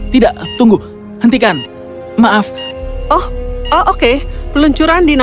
tidak tunggu hentikan maaf oh oh oke peluncuran dalam sepuluh sembilan delapan tujuh enam lima empat